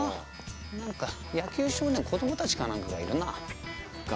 何か野球少年子どもたちか何かがいるな。